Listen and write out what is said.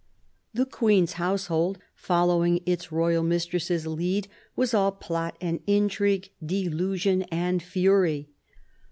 The Queen's household, following its royal mistress's lead, was all plot and intrigue, delusion and fury.